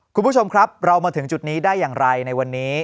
คุณผู้ชมครับเรามาถึงจุดนี้ได้อย่างไรในวันนี้